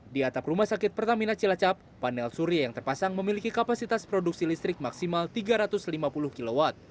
di atap rumah sakit pertamina cilacap panel surya yang terpasang memiliki kapasitas produksi listrik maksimal tiga ratus lima puluh kw